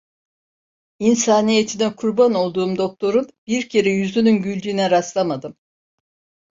İnsaniyetine kurban olduğum doktorun bir kere yüzünün güldüğüne rastlamadım.